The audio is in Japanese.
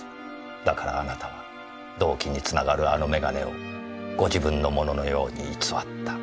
だからあなたは動機につながるあの眼鏡をご自分のもののように偽った。